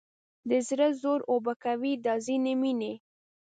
د زړه زور اوبه کوي دا ځینې مینې